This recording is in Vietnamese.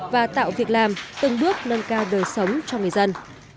và tạo việc làm từng bước nâng cao đời sống cho người dân